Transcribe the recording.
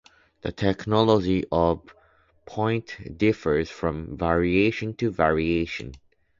The terminology of "point" differs from variation to variation.